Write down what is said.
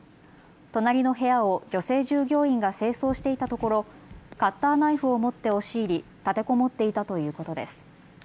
隣の部屋を女性従業員が清掃していたところカッターナイフを持って押し入り立てこもっていたということです。